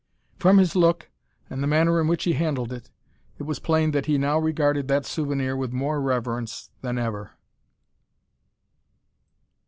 From his look and the manner in which he handled it, it was plain that he now regarded that souvenir with more reverence than ever.